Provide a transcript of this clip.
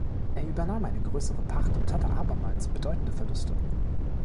Er übernahm eine größere Pacht und hatte abermals bedeutende Verluste.